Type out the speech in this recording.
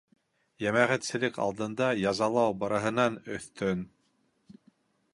Йәмәғәтселек алдында язалау барыһынан өҫтөн.